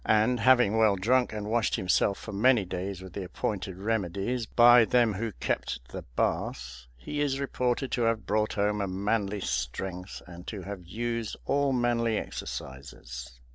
and having well drunk and washed himself for many days with the appointed remedies, by them who kept the bath, he is reported to have brought home a manly strength, and to have used all manly exercises.